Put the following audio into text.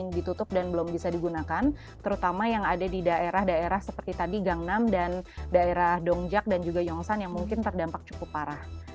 yang ditutup dan belum bisa digunakan terutama yang ada di daerah daerah seperti tadi gang enam dan daerah dongjak dan juga yongsan yang mungkin terdampak cukup parah